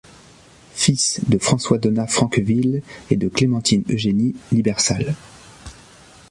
Fils de François Donat Francqueville et de Clémentine Eugénie Libersalle.